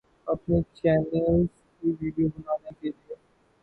اپنے چینلز کی ویڈیو بنانے کے لیے